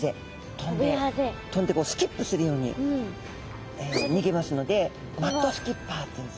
跳んで跳んでこうスキップするように逃げますのでマッドスキッパーっていうんですね。